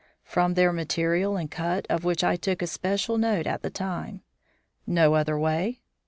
"From their material and cut, of which I took especial note at the time." "No other way?"